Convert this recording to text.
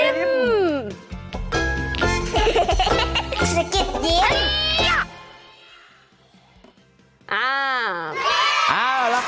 โอ้โหโอ้โห